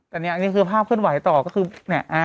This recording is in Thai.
แต่เนี้ยอันนี้คือภาพเคลื่อนไหวต่อก็คือเนี้ยอ่ะ